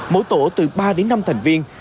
mỗi tổ từ ba đến năm thành viên